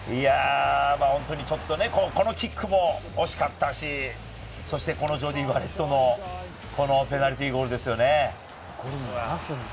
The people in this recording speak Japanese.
このキックも惜しかったし、このジョーディー・バレットのペナルティーゴールですよね。